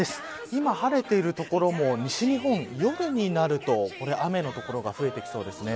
今晴れている所も西日本、夜になると雨の所が増えてきそうです。